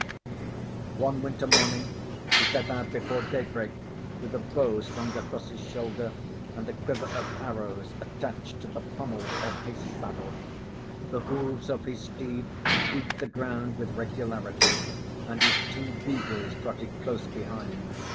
One winter morning he set out before daybreak, with a bow slung across his shoulder and a quiver of arrows attached to the pummel of his saddle. The hoofs of his steed beat the ground with regularity and his two beagles trotted close behind.